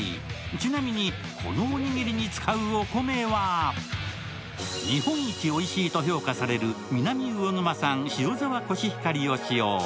ちなみに、このおにぎりに使うお米は日本一おいしいと評価される南魚沼産塩沢コシヒカリを使用。